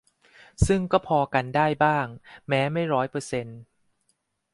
ซึ่งก็พอกันได้บ้าง แม้ไม่ร้อยเปอร์เซนต์